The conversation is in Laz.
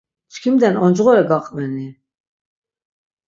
Çkimden oncğore gaqveni?